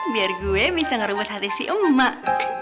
biar gue bisa ngerebut hati si emak